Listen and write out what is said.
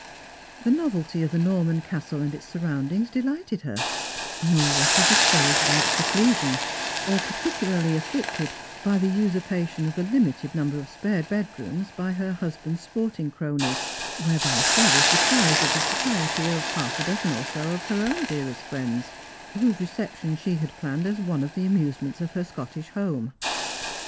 The novelty of the Norman castle and its surroundings de lighted her ; nor was she discouraged by its seclusion, or par ticularly afflicted by the usurpation of the limited number of epare bedrooms by her husband's sporting cronies, whereby she was deprived of the society of half a dozen or so of her own dearest friends, whose reception she had planned as one of the amusements of her Scottish home.